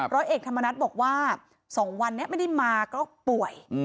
ร้อยเอกธรรมนัฏบอกว่า๒วันนี้ไม่ได้มาก็ป่วย